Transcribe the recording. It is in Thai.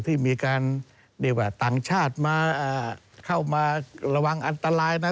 ที่มีการต่างชาติเข้ามาระวังอันตรายนะ